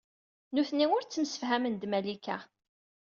Nitni ur ttemsefhamen ed Malika.